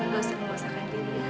gak usah menguasakan diri